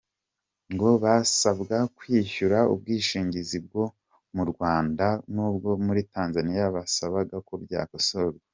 Ngo basabwa kwishyura ubwishingizi bwo mu Rwanda n’ubwo muri Tanzaniya, bagasaba ko byakosorwa.